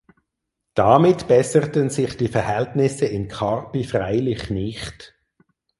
Damit besserten sich die Verhältnisse in Carpi freilich nicht.